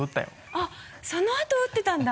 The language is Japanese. あっそのあと打ってたんだ。